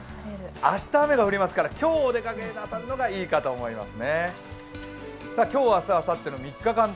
明日、雨が降りますから今日お出かけなさるのがいいかと思います。